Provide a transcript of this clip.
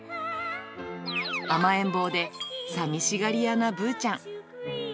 甘えん坊でさみしがり屋なぶーちゃん。